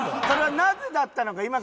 それはなぜだったのか